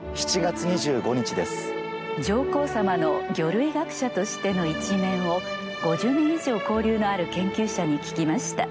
上皇さまの魚類学者としての一面を５０年以上交流のある研究者に聞きました。